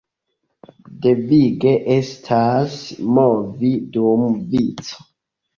Devige estas movi dum vico.